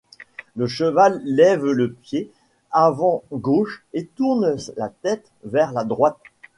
Le cheval lève le pied avant gauche et tourne la tête vers la droite.